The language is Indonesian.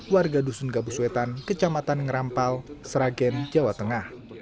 warga dusun gabuswetan kecamatan ngerampal seragen jawa tengah